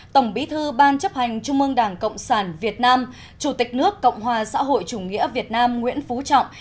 tổng bí thư ban chấp hành trung ương đảng cộng sản việt nam chủ tịch nước cộng hòa xã hội chủ nghĩa việt nam nguyễn phú trọng